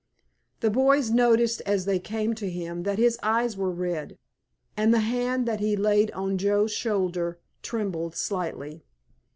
The boys noticed as they came to him that his eyes were red, and the hand that he laid on Joe's shoulder trembled slightly.